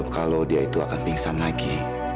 kalau dia itu akan pingsan lagi